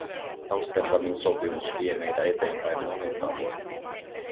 Amsterdamin sopimus vie meitä eteenpäin monin tavoin.